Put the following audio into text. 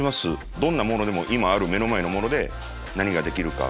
どんなものでも今ある目の前のもので何ができるか。